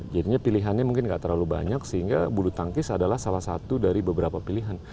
jadinya pilihannya mungkin nggak terlalu banyak sehingga bulu tangkis adalah salah satu dari beberapa pilihan